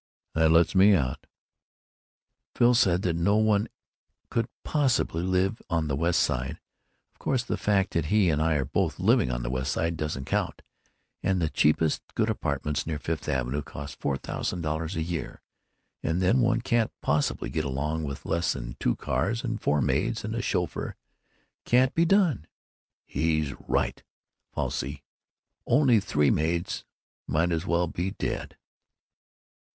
"That lets me out." "Phil said that no one could possibly live on the West Side—of course the fact that he and I are both living on the West Side doesn't count—and the cheapest good apartments near Fifth Avenue cost four thousand dollars a year. And then one can't possibly get along with less than two cars and four maids and a chauffeur. Can't be done!" "He's right. Fawncy! Only three maids. Might as well be dead."